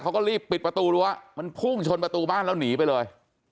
เขาก็รีบปิดประตูรั้วมันพุ่งชนประตูบ้านแล้วหนีไปเลย